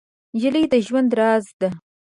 نجلۍ د ژوند راز ده.